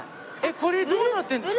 これどうなってるんですか？